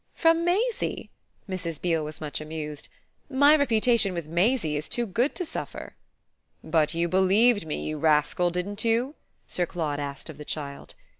"From Maisie?" Mrs. Beale was much amused. "My reputation with Maisie is too good to suffer." "But you believed me, you rascal, didn't you?" Sir Claude asked of the child.